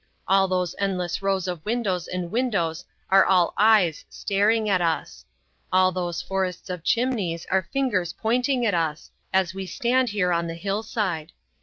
All those endless rows of windows and windows are all eyes staring at us. All those forests of chimneys are fingers pointing at us, as we stand here on the hillside.